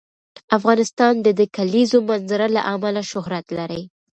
افغانستان د د کلیزو منظره له امله شهرت لري.